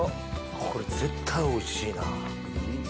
これ絶対おいしいな。